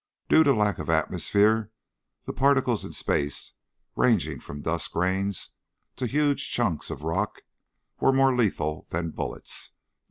Due to lack of atmosphere the particles in space, ranging from dust grains to huge chunks of rock, were more lethal than bullets.